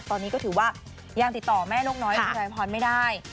ตอนนี้ก็ถือว่ายังติดต่อแม่นกน้อยอุไรพรไม่ได้